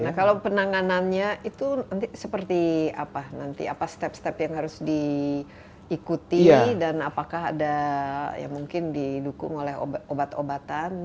nah kalau penanganannya itu seperti apa nanti apa step step yang harus diikuti dan apakah ada ya mungkin didukung oleh obat obatan